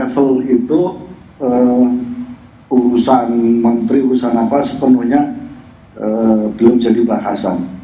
nah pada level itu eee urusan menteri urusan apa sepenuhnya eee belum jadi bahasan